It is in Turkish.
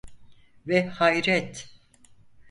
Ve hayret!